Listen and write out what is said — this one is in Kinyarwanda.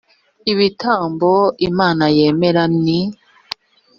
ibitambo imana yemera ni